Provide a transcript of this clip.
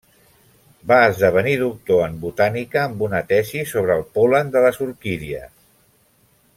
Va esdevenir doctor en botànica amb una tesi sobre el pol·len de les orquídies.